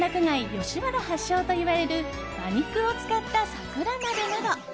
吉原発祥といわれる馬肉を使った桜鍋など